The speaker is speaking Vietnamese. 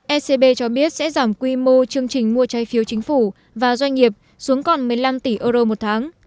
ecb cho biết sẽ giảm quy mô chương trình mua trái phiếu chính phủ và doanh nghiệp xuống còn một mươi năm tỷ euro một tháng